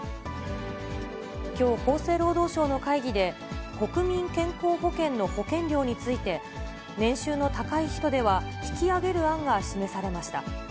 きょう、厚生労働省の会議で、国民健康保険の保険料について、年収の高い人では引き上げる案が示されました。